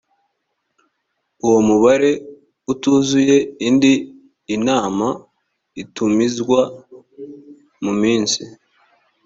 uwo mubare utuzuye indi inama itumizwa mu minsi